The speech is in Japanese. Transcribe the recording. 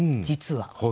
実は。